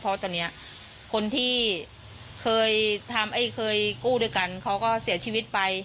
เพราะตอนนี้คนที่เคยกู้ด้วยกันเขาก็เสียชีวิตไป